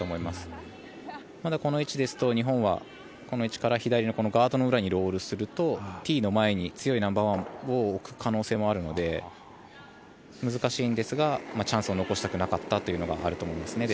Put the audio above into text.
まだこの位置だと日本はこの位置から左のガードの裏にロールするとティーの前に強いナンバーワンを置く可能性もあるので難しいんですがチャンスを残したくなかったというのがあると思います。